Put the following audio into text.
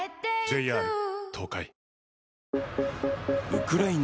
ウクライナ